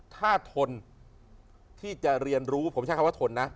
ถ้าทนที่จะเรียนรู้ผมใช้คำว่าทนนะ